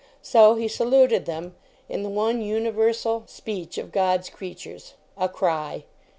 So he saluted them in the one ALPHA universal speech of God s creatures a cry.